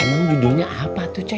emang judulnya apa tuh